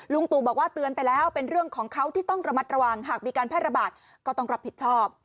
ตู่บอกว่าเตือนไปแล้วเป็นเรื่องของเขาที่ต้องระมัดระวังหากมีการแพร่ระบาดก็ต้องรับผิดชอบ